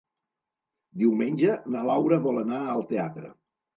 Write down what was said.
Diumenge na Laura vol anar al teatre.